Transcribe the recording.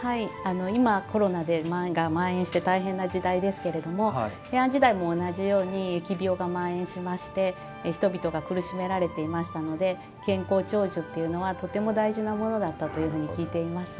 今、コロナがまん延して大変な時代ですけれども平安時代も同じように疫病がまん延しまして、人々が苦しめられていましたので健康長寿というのはとても大事なものだったと聞いています。